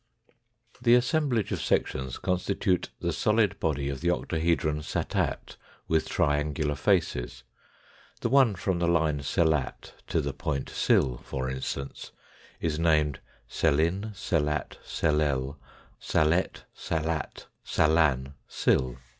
The assemblage of sections constitute the solid body of the octahedron satat with triangular faces. The one from the line selat to the point sil, for instance, is named 268 THE FOURTH DIMENSION selin, selat, selel, salet, salat, salan, sil.